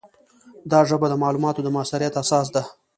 دا ژبه د معلوماتو د موثریت اساس ده.